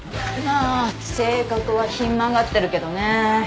まあ性格はひん曲がってるけどね。